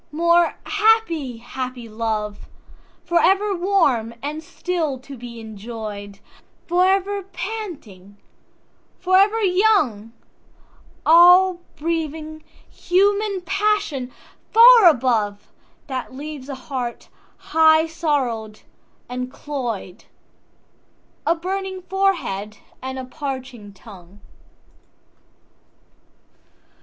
more happy, happy love! For ever warm and still to be enjoy'd, For ever panting, and for ever young; All breathing human passion far above, That leaves a heart high sorrowful and cloy'd,A burning forehead, and a parching tongue.